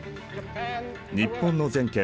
日本の全権